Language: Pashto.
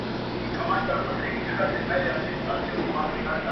خدایه د شپېتو بړېڅو ټولي سوې کمبلي!